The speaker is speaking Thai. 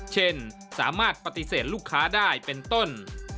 สามารถปฏิเสธลูกค้าได้เป็นต้น